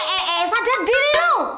eh eh eh sadar diri lo